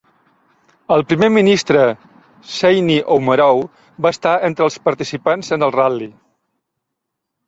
El primer ministre Seyni Oumarou va estar entre els participants en el ral·li.